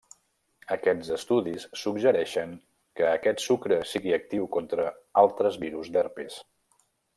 Aquests estudis suggereixen que aquest sucre sigui actiu contra altres virus d'herpes.